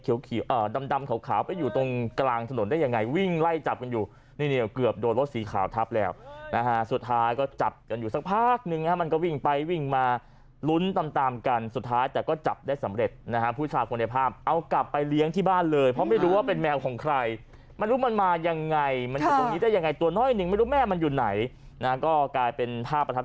แมวตัวเล็กเขียวดำเขาขาวไปอยู่ตรงกลางถนนได้ยังไงวิ่งไล่จับกันอยู่นี่เกือบโดนรถสีขาวทัพแล้วนะฮะสุดท้ายก็จับกันอยู่สักพักหนึ่งนะฮะมันก็วิ่งไปวิ่งมาลุ้นตามกันสุดท้ายแต่ก็จับได้สำเร็จนะฮะผู้ชายคนในภาพเอากลับไปเลี้ยงที่บ้านเลยเพราะไม่รู้ว่าเป็นแมว